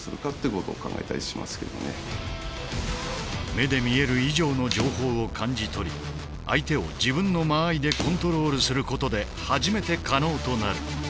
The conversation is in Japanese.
目で見える以上の情報を感じ取り相手を自分の間合いでコントロールすることで初めて可能となる。